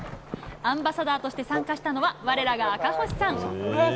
アンバサダーとして参加したのは、われらが赤星さん。